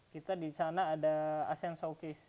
kita di sana ada asean showcase